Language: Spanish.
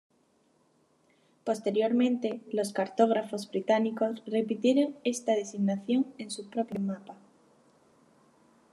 Posteriormente, los cartógrafos británicos repitieron esta designación en sus propios mapas.